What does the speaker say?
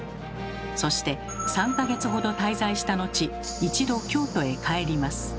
そして３か月ほど滞在したのち一度京都へ帰ります。